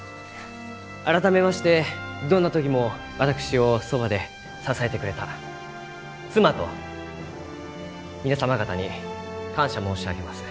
改めましてどんな時も私をそばで支えてくれた妻と皆様方に感謝申し上げます。